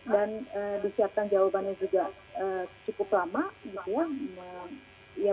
dan disiapkan jawabannya juga cukup lama gitu ya